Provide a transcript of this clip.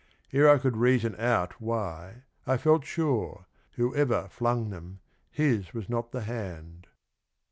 f'Ere I could reason out why, I felt sure, Whoever flung them, his was not the hand."